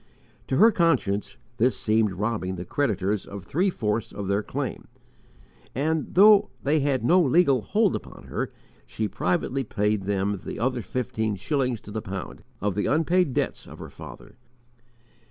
To her conscience, this seemed robbing the creditors of three fourths of their claim, and, though they had no legal hold upon her, she privately paid them the other fifteen shillings to the pound, of the unpaid debts of her father.